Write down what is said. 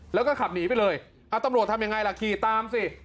แล้วก็ขับหนีไปเลยเอาตำรวจทำยังไงล่ะขี่ตามสิ